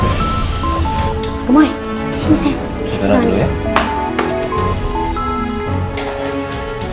pemoi disini sayang